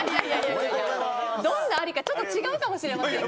どんなありか、ちょっと違うかもしれませんが。